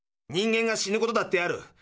人間が死ぬことだってある。